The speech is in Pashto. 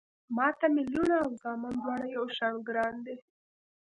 ما ته مې لوڼه او زامن دواړه يو شان ګران دي